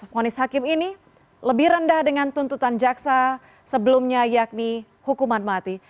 fonis hakim ini lebih rendah dengan tuntutan jaksa sebelumnya yakni hukuman mati